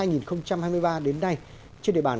năm hai nghìn hai mươi ba đến nay trên địa bàn